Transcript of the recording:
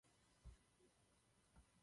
Právě se nastěhovali do domu jeho rodičů.